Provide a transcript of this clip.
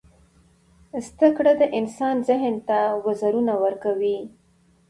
• زده کړه د انسان ذهن ته وزرونه ورکوي.